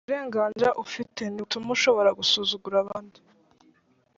Uburenganzira ufite ntibutuma ushobora gusuzugura abandi